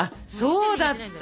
そうだった。